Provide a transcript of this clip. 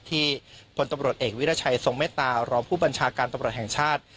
พลตำรวจเอกวิราชัยทรงเมตตารองผู้บัญชาการตำรวจแห่งชาติ